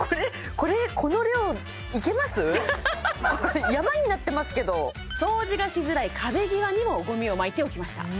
これ山になってますけど掃除がしづらい壁際にもゴミをまいておきました